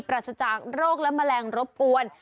รัชจากโรคและแมลงรบกวน